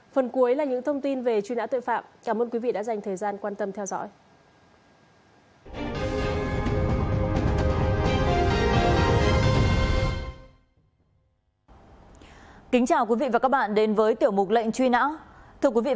phần cuối là những thông tin về truy nã tội phạm cảm ơn quý vị đã dành thời gian quan tâm theo dõi